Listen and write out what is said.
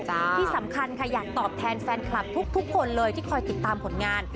ที่สำคัญค่ะอยากตอบแทนแฟนคลับทุกคนเลยที่คอยติดตามผลงาน